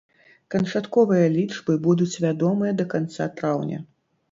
Канчатковыя лічбы будуць вядомыя да канца траўня.